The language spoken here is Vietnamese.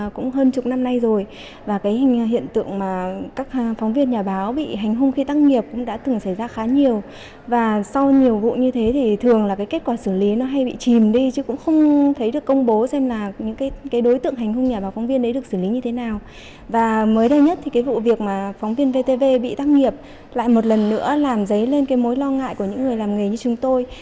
các nghiệp lại một lần nữa làm dấy lên cái mối lo ngại của những người làm nghề như chúng tôi